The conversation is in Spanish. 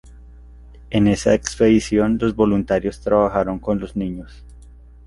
En esa expedición, los voluntarios trabajaron con los niños.